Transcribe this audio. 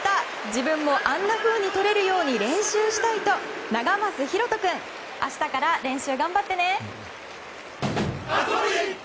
自分もあんなふうにとれるように練習したいと永益大翔君、明日から練習頑張ってね！